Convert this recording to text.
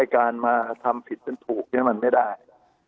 การมาทำผิดมันถูกมันไม่ได้